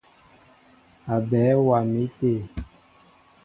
Aɓέɛ waá mi té.